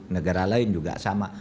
negara lain juga sama